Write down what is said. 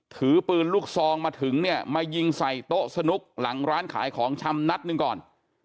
ถือปืนลูกซองมาถึงเนี่ยมายิงใส่โต๊ะสนุกหลังร้านขายของชำนัดหนึ่งก่อน